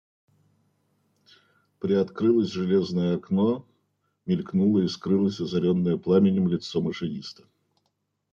Приоткрылось железное окно, мелькнуло и скрылось озаренное пламенем лицо машиниста.